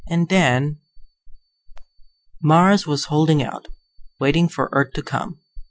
And then " Mars was holding out, waiting for Earth to come.